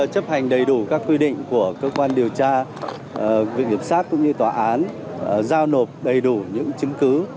các cơ quan điều tra việc nghiệp sát cũng như tòa án giao nộp đầy đủ những chứng cứ